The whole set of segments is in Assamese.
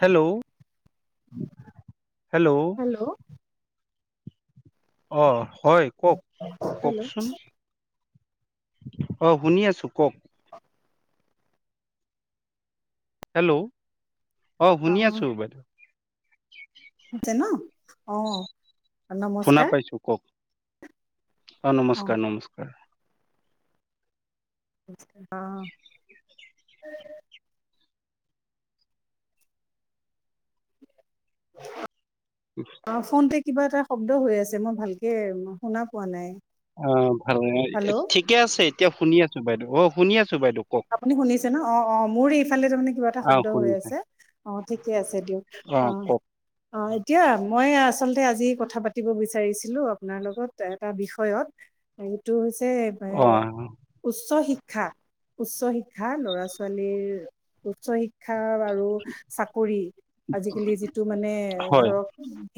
Hello, hello? অহ, হয় কওক, হেল্ল' কওকচোন! অ', শুনি আছো কওক। [unintelligible] হেল্ল', অ', শুনি আছো বাইদেউ। হৈছে ন? অ। শুনা নমস্কাৰ পাইছো কওক। অ', নমস্কাৰ নমস্কাৰ। অহ। অ', ফোন প কিবা এটা শব্দ হৈ আছে মই ভালকে শুনা পোৱা নাই। অ', ভাল হেল্ল' ঠিকে আছে এতিয়া শুনি আছো বাইদেউ। অ', শুনি আছো। বাইদেউ কওক আপুনি শুনিছে ন? অ', অ', মোৰ এইফালে তাৰমানে কিবা এটা অ শব্দ হৈ শুনিছে আছে। অ', ঠিকে আছে। দ অ', অ', এতিয়া মই আচলতে আজি কথা পাতিব বিচাৰিছিলো আপোনাৰ লগত এটা বিষয়ত, সেইটো হৈ অ এ উচ্চ শিক্ষা। উচ্চ শিক্ষা, ল'ৰা ছোৱালীৰ উচ্চ শিক্ষা আৰু চাকৰি, আজিকালি যিটো মানে হয় ধৰক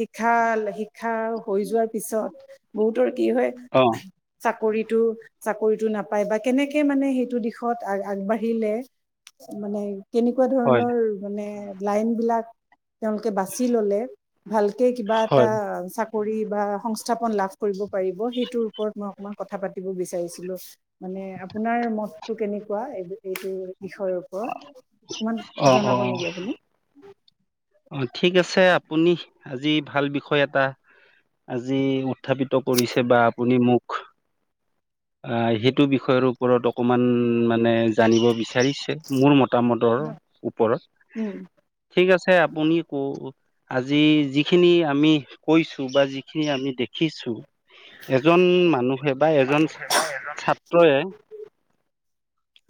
শিক্ষা শিক্ষা হৈ যোৱাৰ পিছত বহুতৰ কি হয় অ চাকৰিতটো নাপায় বা কেনেকে মানে সটো দিশত আগবাঢ়িলে মানে কেনেকুৱা হয় ধৰণৰ মানে লাইন বিলাক তেওঁলোকে বাচি ললে ভালকে কিবা এটা হয় কৰি বা সংস্থাপন লাভ কৰিব পাৰিব সেইটোৰ ওপৰত মই অকমান কথা পাতিব বিচাৰিছিলো ম মানে আপোনাৰ মততটো কেনেকুৱা এই এইটো বিষয়ৰ ওপৰত, অকণমান অ অ জনাব নেকি আপুনি? অ', ঠিক আছে আপুনি আজি ভাল বিষয় এটা আজি উত্থাপিত কৰিছে বা আপুনি মোক অ সেইটো বিষয়ৰ ওপৰত অকমান মানে জানিব বিচ হাৰিছে মোৰ মতামতৰ ওপৰত। উম ঠিক আছে আপুনি কো আজি যিখিনি আমি কৈছো বা যিখিনি আমি দেখিছো এজন মানুহে বা এজন ছা [unintelligible]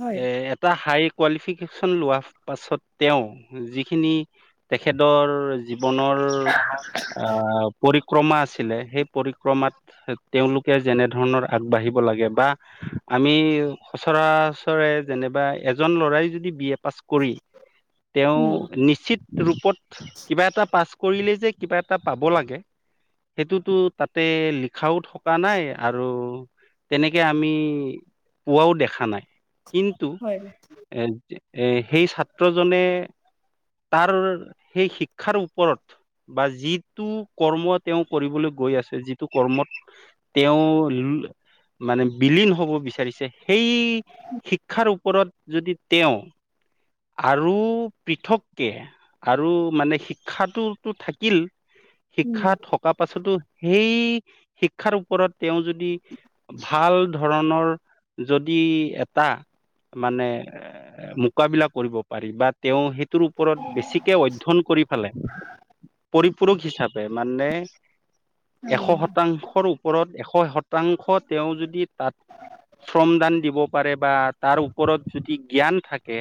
হয় এ এটা হাইক কোৱালিফিকেচন লোৱাৰ পাছত তেওঁ যিখিনি তেখেতৰ জীৱনৰ আহ পৰি পৰিক্ৰমা আছিলে সেই পৰিক্ৰমাত তেওঁলোকে যেনে ধৰণৰ আগবাঢ়িব লাগে বা আমি সচৰাচৰে যেনিবা এজন ল'ৰাই যদি বিয় পাছ কৰি। তেওঁ উম নিশ্চিত ৰূপত কিবা এটা পাছ কৰিলে যে কিবা এটা পাব লাগে সেইটোতো তাতে লিখাও থকা নাই আৰু তেনেকে আমি পোৱাও দেখা নাই। কিন্তু হয় এ এ সেই ছাত্ৰজনে, তাৰ সেই শিক্ষাৰ ওপৰত বা যিটো কৰ্ম তেওঁ কৰিবলৈ গৈ আছে যিটো কৰ্মত তেওঁ মানে বিলীন হ'ব বিচাৰিছে সেই শিক্ষাৰ ওপৰত যদি তেওঁ আৰু পৃথককে, আৰু মানে শিক্ষাটোতো থাকিল উম শিক্ষা থকা পাছতো, সেই শিক্ষাৰ ওপৰত তেওঁ যদি ভাল ধৰণৰ যদি এটা মানে এ মুকাবিলাক কৰিব পাৰি বা তেওঁ সেইটোৰ ওপৰত বেছিকে অধ্যয়ন কৰি পে পুৰুষ হিচাপে মানে অ এশ শতাংশ ৰ ওপৰত এশ শতাংশ তেওঁ যদি তাত শ্ৰমদান দিব পাৰে বা তাৰ ওপৰত যদি জ্ঞান থাকে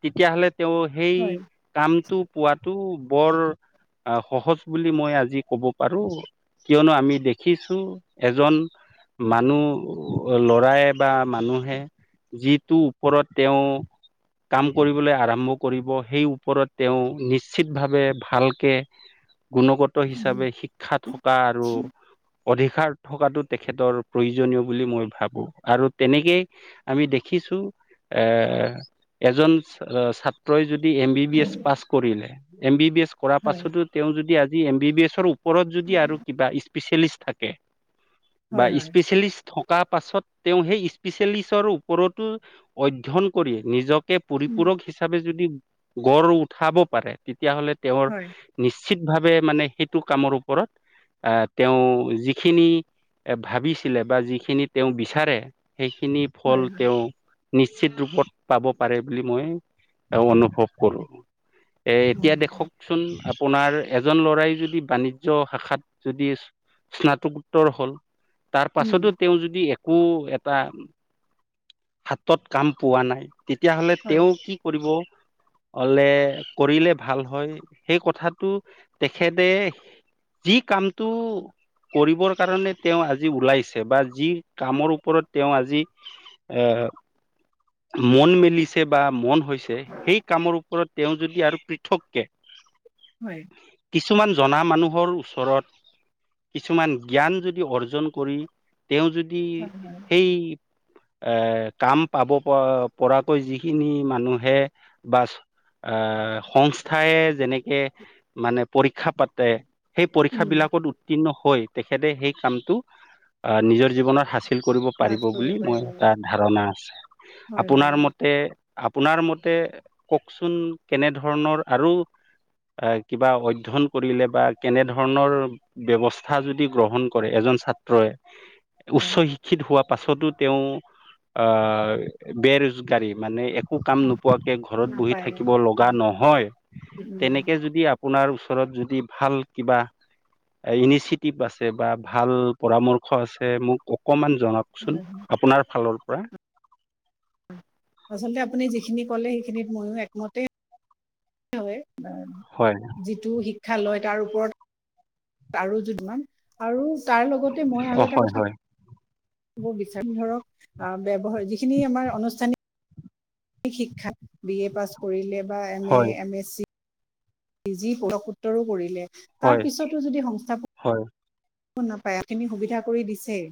তেতিয়াহলে তেওঁ সেই হয় কামটো পোৱাতটো বৰ আহ। সহজ বুলি মই আজি ক'ব পাৰো কিয়নো আমি দেখিছো এজন মানুহ ল'ৰায় বা মানুহে যিটো ওপৰত তেওঁ কাম কৰিবলৈ আৰম্ভ কৰিব। সেই ওপৰত তেওঁ নিশ্চিতভাৱে ভালকে গুণগত হিচাপে শিক্ষা থকা আৰু অধিকাৰ থকাটো তেখেতৰ প্ৰয়োজনীয় বুলি মই ভাবো আৰু তেনেকেই আমি দেখি কিছু এ এজন ছাত্ৰই যদি M B B S pass কৰিলে। এম বি বি এছ কৰা হয় পাছতো তেওঁ যদি আজি এম বি বি এছৰ ওপৰত যদি আৰু কিবা স্পেচিয়েলিষ্ট থাকে বা হয় হয় স্পেচিয়েলিষ্ট থকা পাছত তেওঁ সেই স্পেচিয়েলিষ্টৰ ওপৰতো অধ্যয়ন কৰি নিজক উম পৰিপূৰক হিচাপে যদি গৰ উঠাব পাৰে। তেতিয়া হ'লে তেওঁৰ হয় নি উচিতভাৱে মানে সেইটো কামৰ ওপৰত আহ। তেওঁ যিখিনি ভাবিছিলে বা যিখিনি তেওঁ বিচাৰে সেইখিনি ফল হয় হয় তেওঁ নিশ্চিত ৰূপত পাব পাৰে বুলি মই অনুভব কৰো। অ এতিয়া দেখচোন আপোনাৰ এজন ল'ৰাই যদি বাণিজ্য শাখাত যদি স্নাতকোত্তৰ হল। তাৰ উম পাছতো তেওঁ যদি একো এটা হাতত কাম পোৱা নাই। তেতিয়া হ'লে হয় তেওঁ কি কৰিব অলে কৰিলে ভাল হয়। সেই কথাটো তেখেতে যি কামটো কৰিবৰ কাৰণে তেওঁ আজি ওলাইছে বা যি কামৰ ওপৰত তেওঁ আজি এএ মন মেলিছে বা মন হৈছে। সেই কামৰ ওপৰত তেওঁ যদি আৰু পৃথককে উ হয়। কিছুমান জনা মানুহৰ ওচৰত কিছুমান জ্ঞান যদি অৰ্জন কৰি তেওঁ যদি হয় হয় সেই এ কাম পাব প পৰাকৈ যিখিনি মানুহে বা আহ সংস্থাই যেনেকে মানে পৰীক্ষা পাতে সেই পৰীক্ষা উম বিলাকত উত্তীৰ্ণ হৈ তেখেতে সেই কামটো আহ, নিজৰ জীৱনৰ সাঁচি হাচিল কৰিব লাভ পাৰিব কৰিব বুলি মই পাৰিব এটা ধাৰণা আছে। হয় আপোনাৰ হয় মতে আপোনাৰ মতে কওঁকচোন, কেনেধৰণৰ আৰু কিবা অধ্যয়ন কৰিলে বা কেনেধৰণৰ ব্যৱস্থা যদি গ্ৰহণ কৰে এজন ছাত্ৰই হয় উচ্চ শিক্ষিত হোৱা পাছতো তেওঁ অ বেৰ্জগাড়ী মানে একো কাম অ নোপোৱাকে ঘৰত বহি নাপায় থাকিব লগা উম নহয়। উম তেনেকে যদি আপোনাৰ ওচৰত যদি ভাল কিবা ইনিচিয়েটিভ আছে বা ভাল পৰামৰ্শ আছে। মোক অকমান জনাওকচোন। হয় হয় আপোনাৰ ফালৰ পৰা। আচলতে আপুনি যিখিনি কলে সেইখিনিত ময়ো একমতে হয়। হয় যিটো শিক্ষা লয় তাৰ ওপৰত আৰু যদুমান আৰু তাৰ লগতে মই অ আৰু এটা হয় কথা হয় কওঁ ক বিচাৰ ধৰক ব্যৱহাৰ যিখিনি আমাৰ অনুষ্ঠানিক শিক্ষা বি এ পাছ কৰিলে বা এম এ হয় এম এছ চি যি পোক উত্তৰো কৰিলে তাৰ হয় পিছতো যদি সংস্থাপক হয় শ নাপায় আখিনি সুবিধা কৰি দিছেই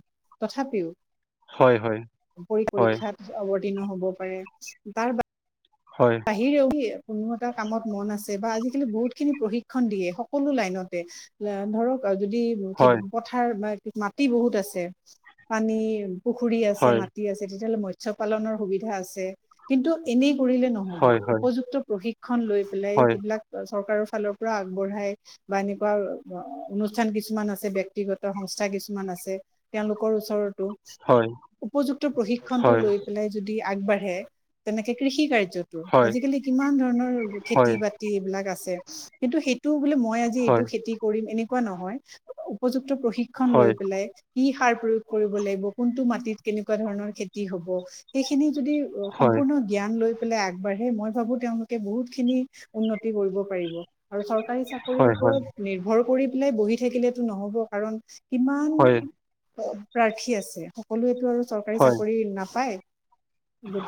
তথাপিও হয় পৰি হয় পৰীক্ষাত অৱতীৰ্ণ হব পাৰে তাৰ ব হয় বিহিৰে ও কোনো এটা কামত মন আছে বা আজিকালি বহুত খিনি প্ৰশিক্ষণ দিয়ে সকলো লাইনতে ধৰক যদি খেতি হয় পথাৰ বা মাটি বহুত আছে পানী পুখুৰী আছে হয় মাটি আছে তেতিয়াহ'লে মৎস্ পালনৰ সুবিধা আছে কিন্তু এনেই কৰিলে ন হয় হয় উপযুক্ত প্ৰশিক্ষণ লৈ পেলাই হয় যিবিলাক চৰকাৰৰ ফালৰ পৰা আগবঢ়াই বা এনেকুৱা অনুষ্ঠান কিছুমান আছে ব্ক্তিগত সংস্থা কিছুমান আছে ল তেওলোকৰ ওচৰতো হয় উপযুক্ত প্ৰশিক্ষনটো হয় লৈ পেলাই যদি আগবাঢ়ে তেনেকে কৃষি কাৰ্যত হয় আজিকালি কিমান ধৰণৰ খেতি হয় বাতি এইবিলাক আছে কিন্তু সেইটো বো মই আজি হয় এইটো খেতি কৰিম এনেকুৱা নহয় উপযুক্ত প্ৰশিক্ষণ লৈ হয় পেলাই কি সাৰ প্ৰয়োগ কৰিব লাগিব কোনটো মাটিত কেনেকুৱা ধৰণৰ খেতি হ'ব সেইখিনি হয় সম্পূৰ্ণ জ্ঞান লৈ পেলাই বাঢ়ে মই ভাবো তেওঁলোকে বহুত খিনি উন্নতি কৰিব পাৰিব আৰু চৰকাৰী চাকৰিৰ হয় হয় হয় ওপৰত নিৰ্ভৰ কৰি পেলাই বহি থাকিলেতো নহ'ব কাৰণ কিমান হয় প্ৰাৰ্থী আছে সকলোৱেতো আৰু চৰকাৰী হয় চাকৰি নাপায়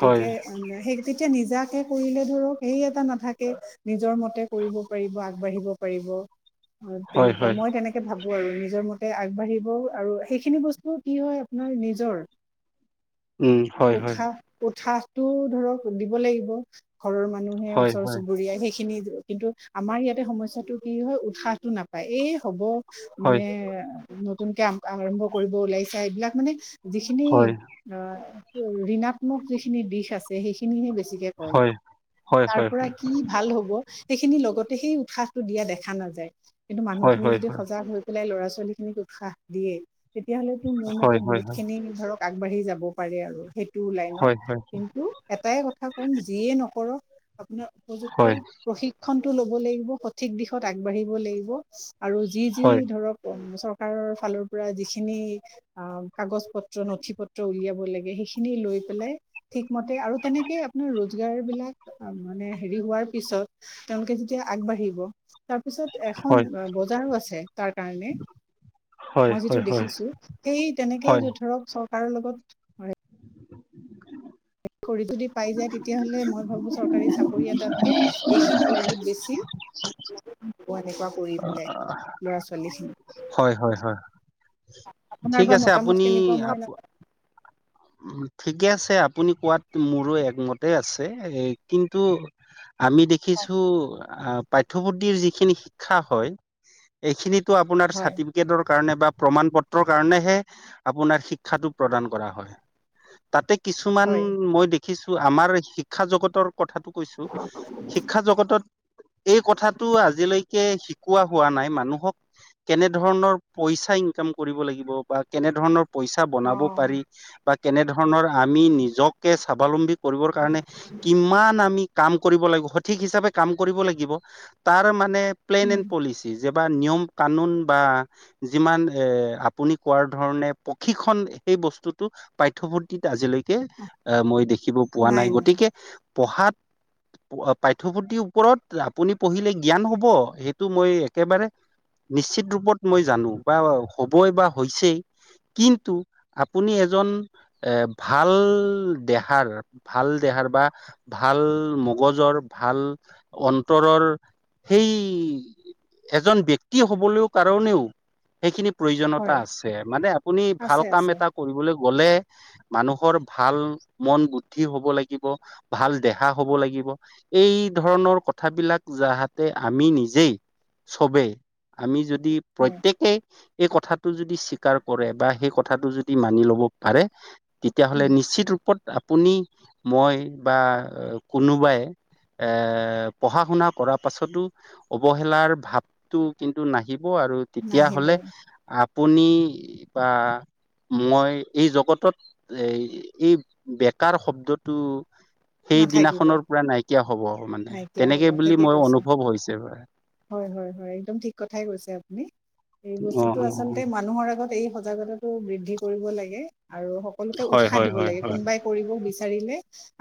হয় অ সেই তেতিয়া নিজাক কৰিলে ধৰক সেই এটা নাথাকে নিজৰ মতে কৰিব পাৰিব আগবাঢ়িব পাৰিব হয় হয় তেনেকুৱা হয় মই তেনেকে ভাব বো আৰু নিজৰ মতে আগবাঢ়িব আৰু সেইখিনি বস্তু কি হয় আপোনাৰ নিজৰ উম হয় হয় উৎসাহ উৎসাহটো ধৰক দিব লাগিব। ঘৰৰ মানুহে হয় ওচৰ হয় চুবুৰীয়াই সেখ খিনি কিন্তু আমাৰ ইয়াতে সমস্যয়াটো কি হয় উৎসাহটো নাপায় এই হ'ব হয়, মানে নতুনকে আৰম্ভ কৰিব ওলাইছা এইবিলাক মানে যিখিনি হয়, অ ঋণাত্মক যিখিনি দিশ আছে সেইখিনিহে বেছিকে কয়। হয়, হয়, তাৰ হয়, পৰা হয়। কি ভাল হ'ব সেইখিনি লগতে সেই উৎসাহটো দিয়া দেখা নাযায়। কিন্তু হয়, মানুহখিনি হয়, যদি হয়, সজাগ হৈ পেলাই লৰা ছোৱালীখিনিক উৎসাহ দিয়ে তেতিয়া হ'লেতো মোৰ মতে হয়, হয়, হয়, বহুতখিনি ধৰক আগবাঢ়ি যাব পাৰে আৰু সেইটো লাইনত হয়, হয়, কিন্তু এটাই কথাই কম নকৰ আপোনাৰ উপযুক্ত হয়, প্ৰশিক্ষণ টো ল'ব লাগিব, সঠিক দিশত আগবাঢ়িব লাগিব আৰু যি যি হয়, ধৰক [unintelligible] চৰকাৰৰ ফালৰ পৰা যিখিনি কাগজ পত্ৰ নঠি পত্ৰ উলিয়াব লাগে সেইখিনি লৈয় পেলাই ঠিকমতে আৰু তেনেকেই আপোনাৰ ৰ'দ বিয়াৰ বিলাক মানে হেৰি হোৱাৰ পিছত তেওঁলোকে যেতিয়া আগবাঢ়িব। তাৰপিছত, এখন হয়, বজাৰো আছে তাৰ কাৰণে। হয়, মই যিটো হয়, হয়। দেখিছো সেই তেনেকে হয়, ধৰক চৰকাৰৰ লগত হয় কৰি যদি পাই যায় তেতিয়াহ'লে মই ভাবো চৰকাৰী চাকৰি এটাতকে এইখিনিও বহুত বেছি [unintelligible] এনেকুৱা কৰি পেলাই ল'ৰা-ছোৱালীখিনি হয় হয় হয় আপোনাৰ ঠিক বা আছে মতামত আপুনি কেনেকুৱা মই আপ নাজানো। ঠিকে আছে আপুনি কোৱাত মোৰো একমতে আছে এ কিন্তু আমি দেখিছো পাঠ্যপুথিৰ যিখিনি শিক্ষা হয় এইখিনিত টো আপোনাৰ হয় চাৰ্টিফিকেটৰ কাৰণে বা প্ৰমাণ পত্ৰৰ কাৰণেহে আপোনাৰ শিক্ষাটো প্ৰদান কৰা হয়। তাতে কিছুমান হয় মই দেখিছো আমাৰ শিক্ষা জগতৰ কথাটো কৈছো শিক্ষা জগতত এই কথাটো আজিলৈকে শিকোৱা হোৱা নাই মানুহক কেনে ধৰণৰ পইচা ইনকাম কৰিব লাগিব বা কেনে ধৰণৰ পইচা অ বনাব পাৰি বা কেনে ধৰণৰ আমি নিজকে স্বাৱলম্বী কৰিবৰ কাৰণে কিমান আমি কাম কৰিব লাগিব সঠিক হিচাপে কাম কৰিব লাগিব তাৰ মানে প্লেন উম এণ্ড পলিচি যে নিয়ম কানুন বা যি আপুনি কোৱাৰ ধৰণে প্ৰশিক্ষণ সেই বস্তু টো পাঠ্যপুথিত আজিলৈকে আহ মই দেখিব পোৱা নাই গতিকে পঢ়াত পাঠ্যপুথিৰ ওপৰত আপুনি পঢ়িলে জ্ঞান হব সেইটো মই একেবাৰে নিশ্চিত ৰূপত মই জানো বা হবই বা হৈছেই কিন্তু আপুনি এজন এ ভাল দেহাৰ ভাল দেহাৰ বা ভাল ভাল মগজৰ ভাল অন্তৰৰ সেই এজন ব্যক্তি হবলৈও কাৰণেও সেইখিনি প্ৰয়োজনীয়তা হয় আছে মানে আপুনি ভাল আছে কাম আছে এটা কৰিবলে গলে মানুহৰ ভাল মন বুদ্ধি হব লাগিব ভাল দেহা হ হব লাগিব এই ধৰণৰ কথাবিলাক যাহতে আমি নিজেই চবেই আমি যদ যদি হয় প্ৰত্যয়েকেই এই কথাটো যদি স্বীকাৰ কৰে বা সেই কথাটো যদ দি মানি লব পাৰে তেতিয়াহলে উম, নিশ্চিত ৰূপত আপুনি মই বা কোনোবাই এ পঢ়া শুনা কৰা পাছতো অৱহেলাৰ ভাবটো কিন্তু নাহিব নাহিব আৰু তেতিয়া নাহিব হ'লে আপুনি বা মই এই জগতত এই-এই বেকাৰ শব্দটো সেই নাথাকিব দিনাখনৰ পৰা নাইকিয়া হ'ব মানে, নাইকিয়া তেনেকে বুলি মই অনুভৱ হৈছে বাৰু। হয়-হয়-হয় একদম ঠিক কথাই কৈছে আপুনি। এই অ বস্তুটো অ আচলতে মানুহৰ আগত এই সজাগতাটো বৃদ্ধি কৰিব লাগে আৰু সকলোকে হয় উৎসাহ হয় দিব হয় লাগে, হয় কোনোবাই কৰিব বিচাৰিলে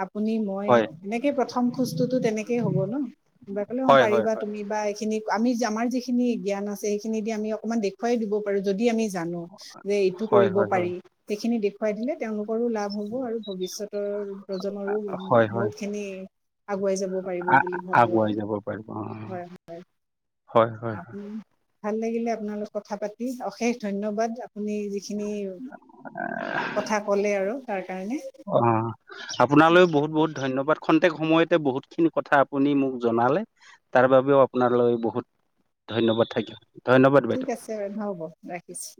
আপুনি মই হয় এনেকে প্ৰথম খোজ খোজটোতো তেনেকে হ'ব ন' [unintelligible] অ' হয় হয় পাৰিবা হয় তুমি বা এইখিনি আমি আমাৰ যিখিনি জ্ঞান আছে সেইখিনি দি আমি অকনমান দেখুৱাই দিব পাৰোঁ যদি আমি জানো যে এইটো হয় কৰিব হয় হয় পাৰি সেইখিনি দেখুৱাই দিলে তেওঁলোকৰো লাভ হ'ব আৰু ভৱিষ্যত ভৱিষ্যতৰ প্ৰজন্মৰো হয় হয় বহুত খিনি আগুৱাই যাব পাৰিব, অ' হয় হয়-হয়-হয়। আপুনি ভাল লাগিলে আপোনাৰ লগত কথা পাতি অশেষ ধন্যবাদ আপুনি যিখিনি কথা ক'লে আৰু তাৰ কাৰণে অ' আপোনালৈ বহুত-বহুত ধন্যবাদ [unintelligible] প্ৰত্যেক সময়তে বহুত খিনি কথা আপুনি মোক জনালে তাৰবাবেও আপোনালৈ বহুত। ধন্যবাদ থাকিল। ধন্যবাদ বাইদেউ। ঠিক আছে হ'ব ৰাখিছো।